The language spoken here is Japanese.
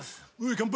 乾杯。